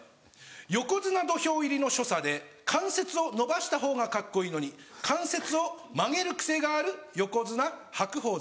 横綱土俵入りの所作で関節を伸ばしたほうがカッコいいのに関節を曲げる癖がある横綱白鵬関。